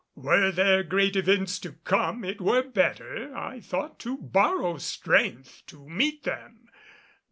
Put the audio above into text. Were there great events to come, it were better, I thought, to borrow strength to meet them.